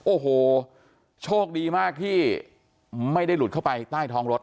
โอ้โหโชคดีมากที่ไม่ได้หลุดเข้าไปใต้ท้องรถ